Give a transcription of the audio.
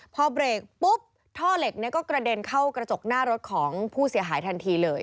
พอเบรกปุ๊บท่อเหล็กก็กระเด็นเข้ากระจกหน้ารถของผู้เสียหายทันทีเลย